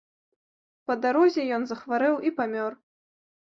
Па дарозе ён захварэў і памёр.